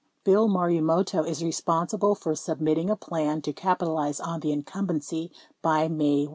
Bill Marumoto is responsible for submitting a plan to capitalize on the incumbency by May 1.